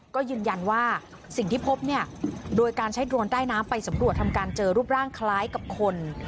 ก็ยืนยันว่าสิ่งที่พบเนี่ยโดยการใช้โดรนใต้น้ำไปสำรวจทำการเจอรูปร่างคล้ายกับคน